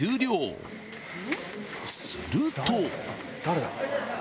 ［すると］